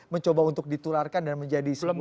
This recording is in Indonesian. mencoba untuk diturarkan dan menjadi sebuah